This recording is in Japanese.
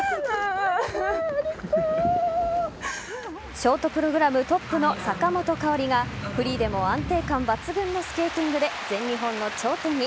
ショートプログラムトップの坂本花織がフリーでも安定感抜群のスケーティングで全日本の頂点に。